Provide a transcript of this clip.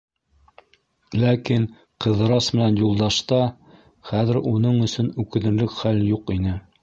Ләкин Ҡыҙырас менән Юлдашта хәҙер уның өсөн үкенерлек хәл юҡ ине.